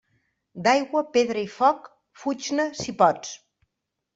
D'aigua, pedra i foc, fuig-ne si pots.